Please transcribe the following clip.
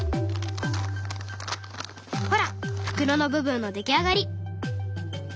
ほら袋の部分の出来上がり。